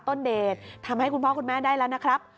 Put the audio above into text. ต้นเดชทำให้คุณพ่อคุณแม่ได้แล้วนะครับ